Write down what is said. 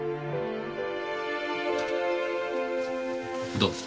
どうぞ。